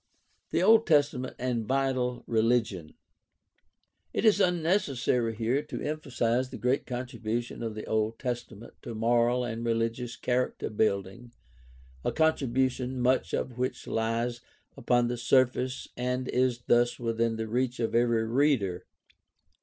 The Old Testament and vital religion. — It is unnecessary here to emphasize the great contribution of the Old Testa ment to moral and religious character building, a contribution much of which lies upon the surface and is thus within the reach of every reader.